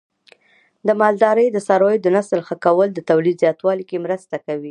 د مالدارۍ د څارویو د نسل ښه کول د تولید زیاتوالي کې مرسته کوي.